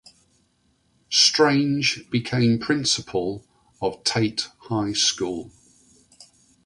Strange became principal of Tate High School.